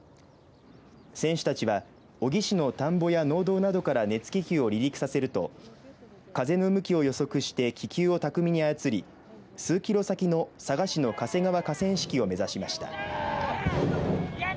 選手たちは、小城市の田んぼや農道などから熱気球を離陸させると風の向きを予測して気球を巧みに操り数キロ先の佐賀市の嘉瀬川河川敷を目指しました。